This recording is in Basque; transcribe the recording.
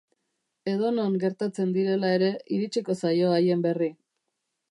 Edonon gertatzen direla ere, iritsiko zaio haien berri.